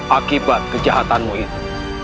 akibat kejahatanmu itu